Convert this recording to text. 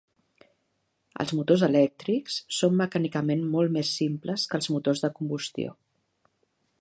Els motors elèctrics són mecànicament molt més simples que els motors de combustió.